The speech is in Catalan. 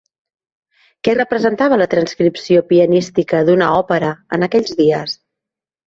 Què representava la transcripció pianística d'una òpera en aquells dies?